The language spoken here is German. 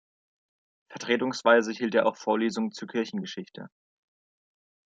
Vertretungsweise hielt er auch Vorlesungen zur Kirchengeschichte.